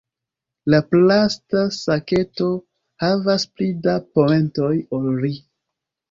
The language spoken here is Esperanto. La plasta saketo havas pli da poentoj ol ri.